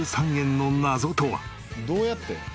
どうやって？